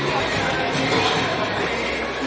สวัสดีครับทุกคน